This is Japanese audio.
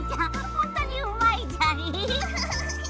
ほんとにうまいじゃり。